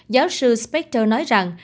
giáo sư specter nói rằng